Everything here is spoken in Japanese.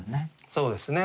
そうですね。